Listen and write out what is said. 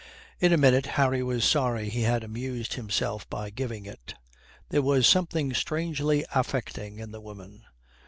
In a minute Harry was sorry he had amused himself by giving it. There was something strangely affecting in the woman.